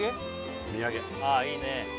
お土産ああいいね